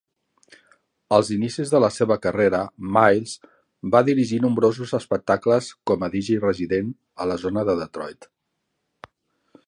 Als inicis de la seva carrera, Mills va dirigir nombrosos espectacles com a DJ resident a la zona de Detroit.